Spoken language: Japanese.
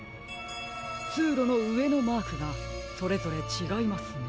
つうろのうえのマークがそれぞれちがいますね。